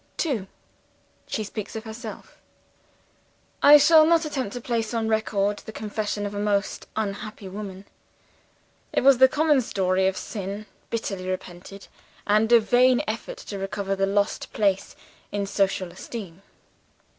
'" 2. She Speaks of Herself. "I shall not attempt to place on record the confession of a most unhappy woman. It was the common story of sin bitterly repented, and of vain effort to recover the lost place in social esteem.